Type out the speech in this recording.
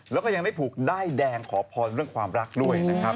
แล้วก็ยังได้ผูกด้ายแดงขอพรเรื่องความรักด้วยนะครับ